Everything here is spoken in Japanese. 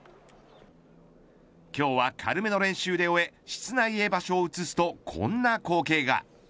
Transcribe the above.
今日は軽めの練習で終え室内へ場所を移すとこんな光景が。